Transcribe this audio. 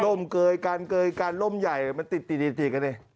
ล้มเกยกันล้มใหญ่หลงติด